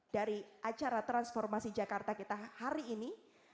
dari acara transformasi jakarta kita hari ini